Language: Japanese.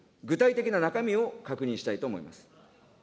具体的な中身を確認したいと思います。